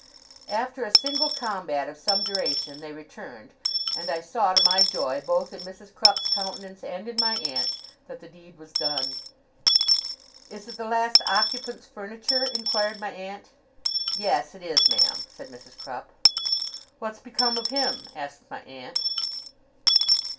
After a single combat of some duration they returned, and I saw, to my joy, both in Mrs. Crupp's countenance and in my aunt's, that the deed was done. 'Is it the last occupant's furniture?' inquired my aunt. 'Yes, it is, ma'am,' said Mrs. Crupp. 'What's become of him?' asked my aunt.